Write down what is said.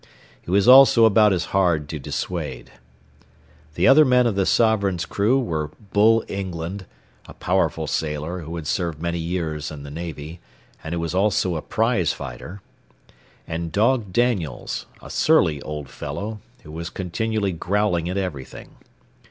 He was also about as hard to dissuade. The other men of the Sovereign's crew were Bull England, a powerful sailor who had served many years in the navy, and who was also a prize fighter, and Dog Daniels, a surly old fellow, who was continually growling at everything.